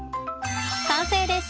完成です！